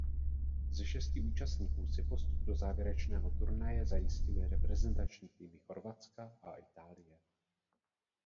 Ze šesti účastníků si postup do závěrečného turnaje zajistily reprezentační týmy Chorvatska a Itálie.